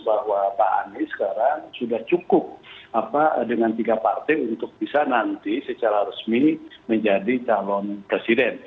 bahwa pak anies sekarang sudah cukup dengan tiga partai untuk bisa nanti secara resmi menjadi calon presiden